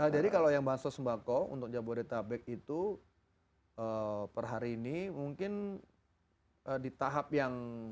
jadi kalau yang bansos sembako untuk jabodetabek itu per hari ini mungkin di tahap yang